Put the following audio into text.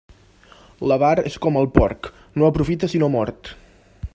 L'avar és com el porc, no aprofita sinó mort.